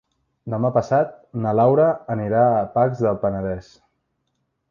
Demà passat na Laura anirà a Pacs del Penedès.